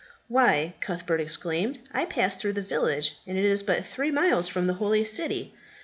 "Why," Cuthbert exclaimed, "I passed through that village, and it is but three miles from the holy city."